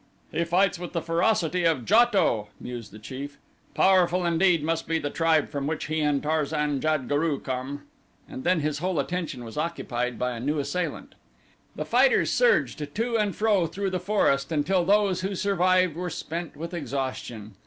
"He fights with the ferocity of JATO," mused the chief. "Powerful indeed must be the tribe from which he and Tarzan jad guru come," and then his whole attention was occupied by a new assailant. The fighters surged to and fro through the forest until those who survived were spent with exhaustion.